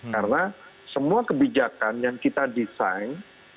karena semua kebijakan yang kita desain